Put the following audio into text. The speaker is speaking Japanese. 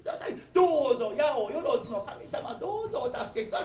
どうぞ八百万の神様どうぞお助け下さい」。